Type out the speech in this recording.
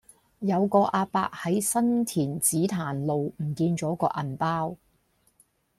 有個亞伯喺新田紫檀路唔見左個銀包